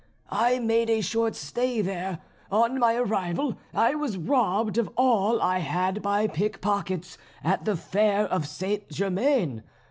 I made a short stay there. On my arrival I was robbed of all I had by pickpockets at the fair of St. Germain.